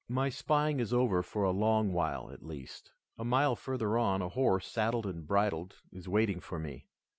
My spying is over for a long while, at least. A mile further on, a horse, saddled and bridled, is waiting for me.